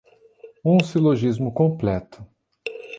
um silogismo completo